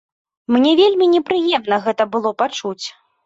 Мне вельмі непрыемна гэта было пачуць.